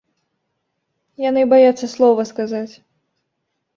Яны баяцца слова сказаць.